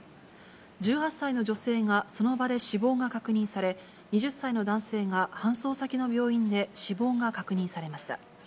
１８歳の女性がその場で死亡が確認され、２０歳の男性が搬送先の病院で死亡が確認されました。